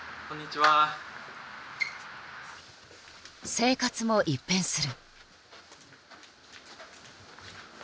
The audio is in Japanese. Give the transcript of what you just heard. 生活も一変する。